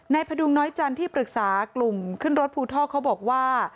พดุงน้อยจันทร์ที่ปรึกษากลุ่มขึ้นรถภูท่อเขาบอกว่า